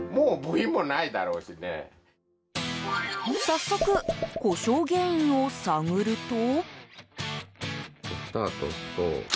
早速、故障原因を探ると。